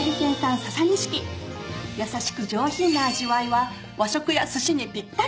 優しく上品な味わいは和食やすしにピッタリ。